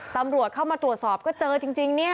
ตำรวจเข้ามาตรวจสอบก็เจอจริงเนี่ย